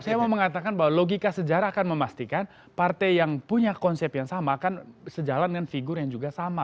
saya mau mengatakan bahwa logika sejarah akan memastikan partai yang punya konsep yang sama akan sejalan dengan figur yang juga sama